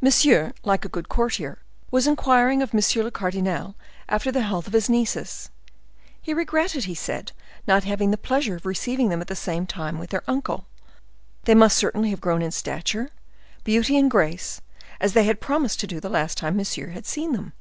Monsieur, like a good courtier, was inquiring of monsieur le cardinal after the health of his nieces; he regretted, he said, not having the pleasure of receiving them at the same time with their uncle; they must certainly have grown in stature, beauty and grace, as they had promised to do the last time Monsieur had seen them.